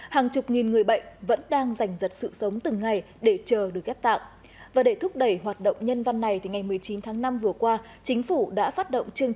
hàng chục nghìn người bệnh vẫn đang giành giật sức